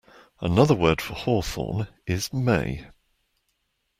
Another word for for hawthorn is may.